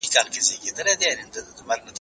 زه به اوږده موده د درسونو يادونه کړې وم!!